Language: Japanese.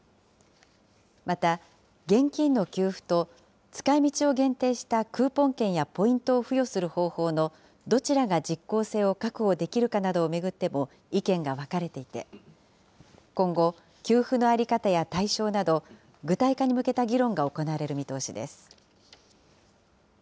また、現金の給付と、使いみちを限定したクーポン券やポイントを付与する方法のどちらが実効性を確保できるかなどを巡っても意見が分かれていて、今後、給付の在り方や対象など、具体化に向けた議論が行われる見通しです。